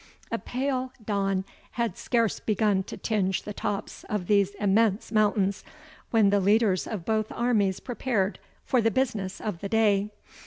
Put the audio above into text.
A pale dawn had scarce begun to tinge the tops of these immense mountains, when the leaders of both armies prepared for the business of the day.